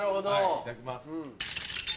いただきます。